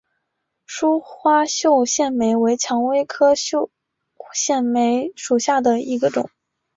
疏花绣线梅为蔷薇科绣线梅属下的一个种。